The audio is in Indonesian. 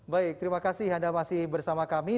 baik terima kasih anda masih bersama kami